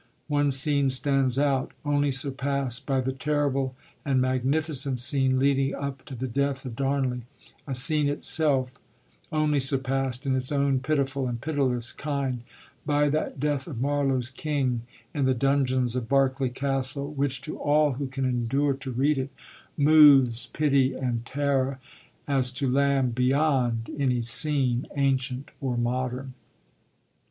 One scene stands out, only surpassed by the terrible and magnificent scene leading up to the death of Darnley a scene itself only surpassed, in its own pitiful and pitiless kind, by that death of Marlowe's king in the dungeons of Berkeley Castle, which, to all who can endure to read it, 'moves pity and terror,' as to Lamb, 'beyond any scene ancient or modern.'